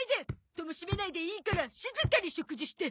戸も閉めないでいいから静かに食事して！